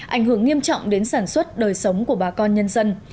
ảnh hưởng nghiêm trọng đến sản xuất đời sống của bà con nhân dân